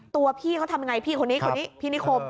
ตัวพี่เขาทำยังไงพี่นิคม